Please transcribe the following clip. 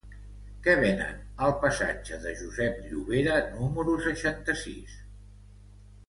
Què venen al passatge de Josep Llovera número seixanta-sis?